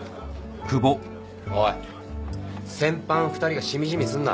おい戦犯２人がしみじみすんな。